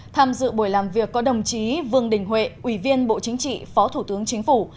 tham dự buổi làm việc có đồng chí vương đình huệ ủy viên bộ chính trị phó thủ tướng chính phủ